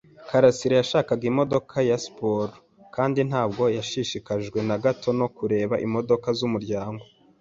karasira yashakaga imodoka ya siporo kandi ntabwo yashishikajwe na gato no kureba imodoka z'umuryango